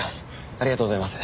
ありがとうございます。